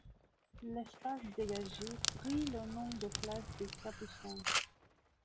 L'espace dégagé prit le nom de place des Capucins.